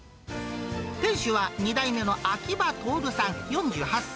店主は２代目の秋葉徹さん４８歳。